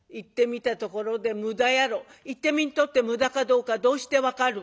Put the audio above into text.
「行ってみんとって無駄かどうかどうして分かる？」。